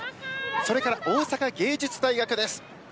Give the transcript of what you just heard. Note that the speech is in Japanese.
それから大阪芸術大学です。